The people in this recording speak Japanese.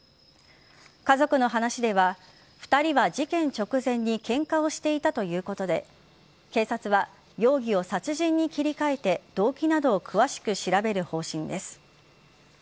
家族の話では２人は事件直前にけんかをしていたということで警察は容疑を殺人に切り替えて動機などを詳しく調べる方針です。